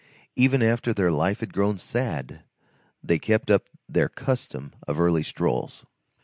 Even after their life had grown sad, they kept up their custom of early strolls.